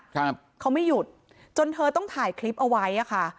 ครับเขาไม่หยุดจนเธอต้องถ่ายคลิปเอาไว้อ่ะค่ะ